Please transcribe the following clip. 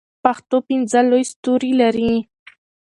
پښتو پنځه لوی ستوري لري.